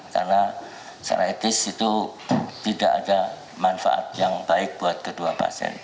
karena secara etis itu tidak ada manfaat yang baik buat kedua pasien